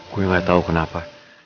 gue gak tau kenapa